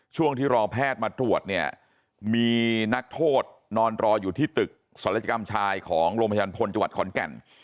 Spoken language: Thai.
ช่วงที่รอแพทย์มาตรวจเนี่ยมีนักโทษนอนรออยู่ที่ตึกศัลยกรรมชายของโรงพยาบาลพลจังหวัดขอนแก่น